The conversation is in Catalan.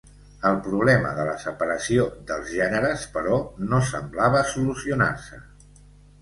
El problema de la separació dels gèneres, però, no semblava solucionar-se.